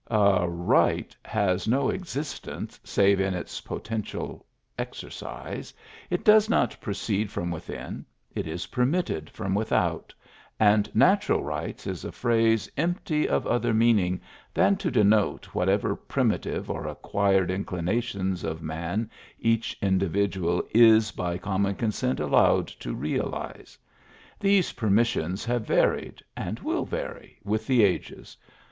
A, right" has no existence, save in its potential exercise; it does not proceed from within, it is permitted from without, and " natural rights " is a phrase empty of other meaning than to denote whatever primitive or acquired inclina tions of man each individual is by common con sent allowed to realize. These permissions have varied, and will vary, with the ages.